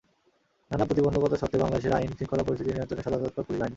নানা প্রতিবন্ধকতা সত্ত্বেও বাংলাদেশের আইন শৃঙ্খলা পরিস্থিতি নিয়ন্ত্রণে সদা তৎপর পুলিশ বাহিনী।